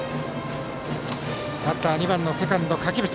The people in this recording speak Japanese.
バッターは２番のセカンド垣淵。